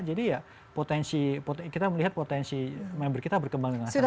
jadi ya kita melihat potensi member kita berkembang dengan sangat cepat